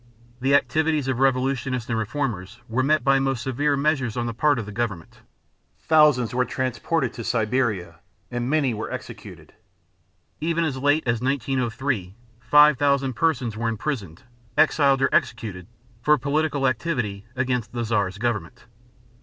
The activities of revolutionists and reformers were met by most severe measures on the part of the government. Thousands were transported to Siberia and many were executed. Even as late as 1903 five thousand persons were imprisoned, exiled, or executed for political activity against the Czar's government.